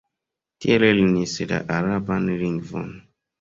Tie lernis la araban lingvon.